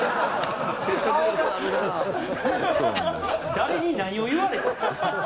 誰に何を言われたん？